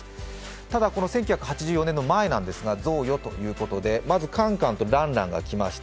ただ、１９８４年の前なんですが、贈与ということでまずカンカンとランランが来ました。